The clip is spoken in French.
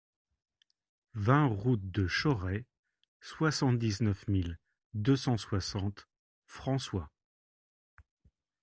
vingt route de Chauray, soixante-dix-neuf mille deux cent soixante François